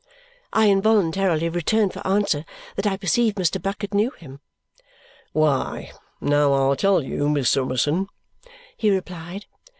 I involuntarily returned for answer that I perceived Mr. Bucket knew him. "Why, now I'll tell you, Miss Summerson," he replied.